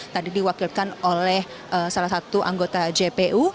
tadi diwakilkan oleh salah satu anggota jpu